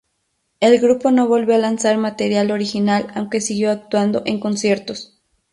El grupo no volvió a lanzar material original aunque siguió actuando en conciertos.